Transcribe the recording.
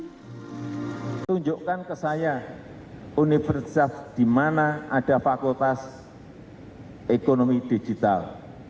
presiden jokowi menunjukkan ke saya universitas di mana ada fakultas ekonomi digital